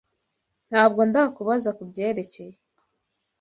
Ntabwo ndakubaza kubyerekeye.